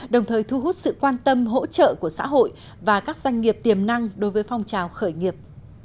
đồng thời thu hút sự quan tâm hỗ trợ của xã hội và các doanh nghiệp tiềm năng đối với phong trào khởi nghiệp